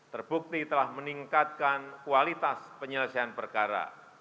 terbukti telah meningkatkan kualitas penyelesaian perkara